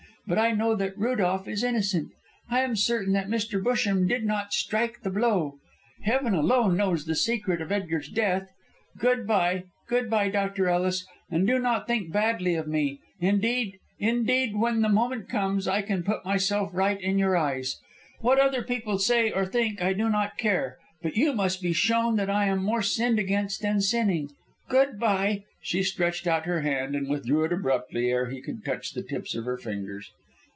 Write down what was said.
But I know that Rudolph is innocent. I am certain that Mr. Busham did not strike the blow. Heaven alone knows the secret of Edgar's death. Good bye, good bye, Dr. Ellis, and do not think badly of me. Indeed, indeed, when the moment comes I can put myself right in your eyes. What other people say or think, I do not care, but you must be shown that I am more sinned against than sinning. Good bye!" She stretched out her hand, and withdrew it abruptly ere he could touch the tips of her fingers.